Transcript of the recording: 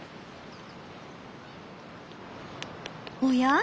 おや？